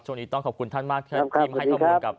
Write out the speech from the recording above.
ช่วงนี้ต้องขอบคุณท่านมากครับ